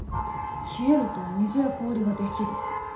冷えると水や氷が出来るって。